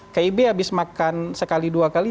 kib habis makan sekali dua kali